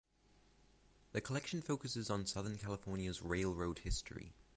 The collection focuses on Southern California's railroad history.